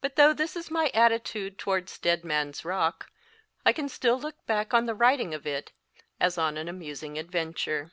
But though this is my attitude towards * Dead Man s Rock, I can still look back on the writing of it as on an amus ing adventure.